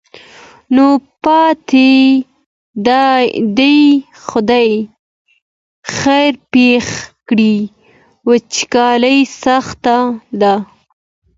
نو پاتې دې خدای خیر پېښ کړي وچکالي سخته ده.